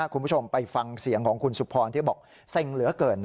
คุณผู้ชมไปฟังเสียงของคุณสุพรที่บอกเซ็งเหลือเกิน